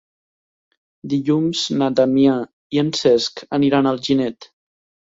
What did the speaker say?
Dilluns na Damià i en Cesc aniran a Alginet.